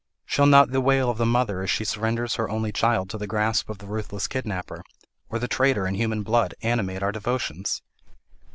Shall not the wail of the mother as she surrenders her only child to the grasp of the ruthless kidnapper, or the trader in human blood, animate our devotions?